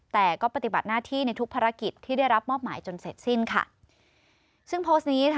แต่ก็ปฏิบัติหน้าที่ในทุกภารกิจที่ได้รับมอบหมายจนเสร็จสิ้นค่ะซึ่งโพสต์นี้ค่ะ